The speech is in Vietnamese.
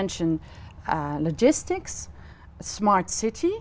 trong hợp tác với